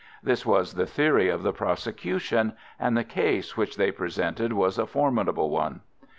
This was the theory of the prosecution, and the case which they presented was a formidable one.